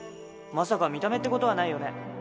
まさか見た目ってことはないよね？